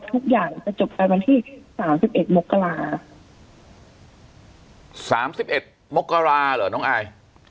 ทุกอย่างจะจบกันวันที่สามสิบเอ็ดมกราสามสิบเอ็ดมกราเหรอน้องอาย